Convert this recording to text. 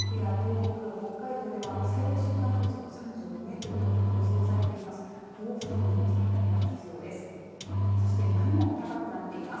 北海道では最大瞬間風速が３５メートルと予想されています。